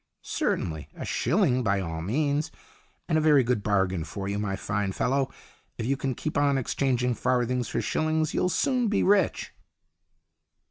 " Certainly, a shilling by all means. And a very good bargain for you, my fine fellow. If you can keep on exchanging farthings for shillings you'll soon be rich."